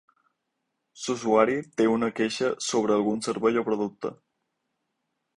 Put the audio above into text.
L'usuari té una queixa sobre algun servei o producte.